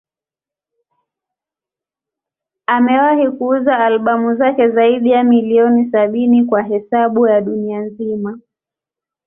Amewahi kuuza albamu zake zaidi ya milioni sabini kwa hesabu ya dunia nzima.